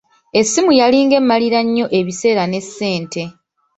Essimu yalinga emmalira nnyo ebiseera ne ssente.